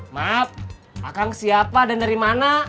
maaf kang siapa dan dari mana